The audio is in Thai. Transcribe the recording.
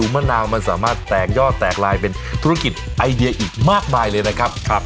มะนาวมันสามารถแตกยอดแตกลายเป็นธุรกิจไอเดียอีกมากมายเลยนะครับ